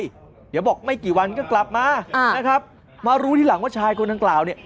เดี๋ยวบอกไม่กี่วันก็กลับมานะครับมารู้ทีหลังว่าชายคนดังกล่าวเนี่ย